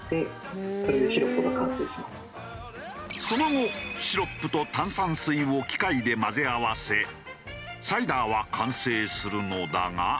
その後シロップと炭酸水を機械で混ぜ合わせサイダーは完成するのだが。